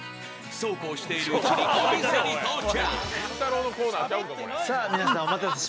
そうこうしているうちにお店に到着。